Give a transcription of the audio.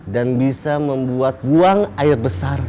dan bisa membuat buang air besar